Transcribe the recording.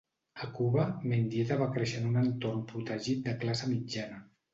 A Cuba, Mendieta va créixer en un entorn protegit de classe mitjana.